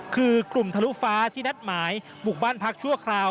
คือกลุ่มทะลุฟ้าที่นัดหมายบุกบ้านพักชั่วคราว